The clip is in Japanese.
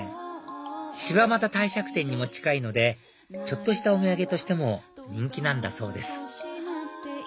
柴又帝釈天にも近いのでちょっとしたお土産としても人気なんだそうです